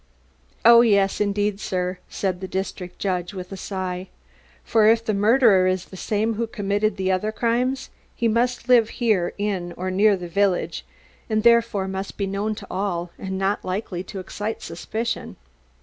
"Oh, yes, indeed, sir," said the district judge with a sigh. "For if this murderer is the same who committed the other crimes he must live here in or near the village, and therefore must be known to all and not likely to excite suspicion."